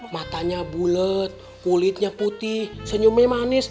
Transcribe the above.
matanya bulet kulitnya putih senyumnya manis